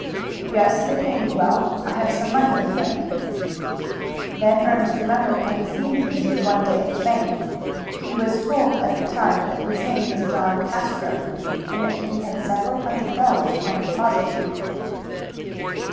"Yes, they pay me well. I have some money in the bank." Then Ernest remembered having seen the Indian one day at the bank. He was told at the time that his name was John Castro, and that he had several hundred dollars on deposit.